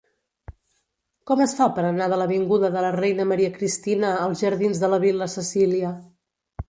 Com es fa per anar de l'avinguda de la Reina Maria Cristina als jardins de la Vil·la Cecília?